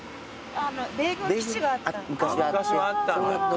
昔はあったんだ。